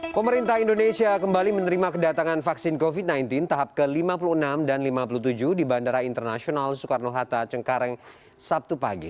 pemerintah indonesia kembali menerima kedatangan vaksin covid sembilan belas tahap ke lima puluh enam dan lima puluh tujuh di bandara internasional soekarno hatta cengkareng sabtu pagi